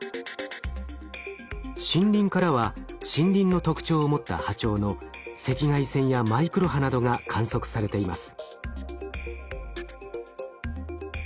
森林からは森林の特徴を持った波長の赤外線やマイクロ波などが観測されています。